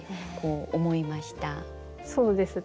そうですね。